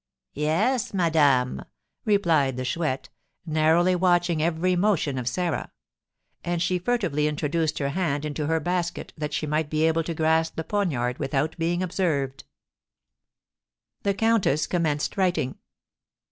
"Yes, madame," replied the Chouette, narrowly watching every motion of Sarah; and she furtively introduced her hand into her basket, that she might be able to grasp the poniard without being observed. The countess commenced writing.